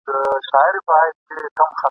د شنبې په ورځ یوې سختي زلزلې ولړزاوه !.